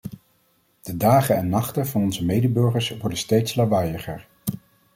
De dagen en nachten van onze medeburgers worden steeds lawaaieriger.